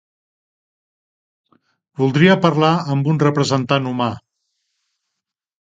Voldria parlar amb un representant humà.